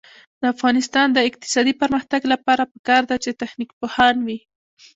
د افغانستان د اقتصادي پرمختګ لپاره پکار ده چې تخنیک پوهان وي.